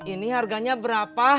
ini harganya berapa